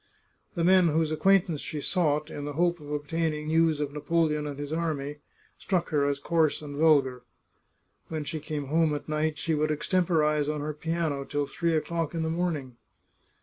The men whose acquaintance she sought, in the hope of obtaining news of Napoleon and his army, struck her as coarse and vulgar. When she came home at night she would extemporize on her piano till three o'clock in the morning.